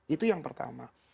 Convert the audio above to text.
itu yang pertama